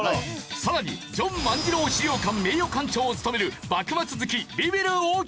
さらにジョン万次郎資料館名誉館長を務める幕末好きビビる大木。